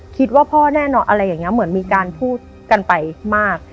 คิดว่าพ่อแน่นอนอะไรอย่างนี้เหมือนมีการพูดกันไปมาก